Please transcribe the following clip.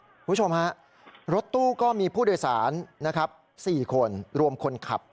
คุณผู้ชมฮะรถตู้ก็มีผู้โดยสารนะครับ๔คนรวมคนขับ